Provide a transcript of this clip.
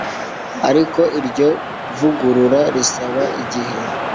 Ariko iryo vugurura risaba igihe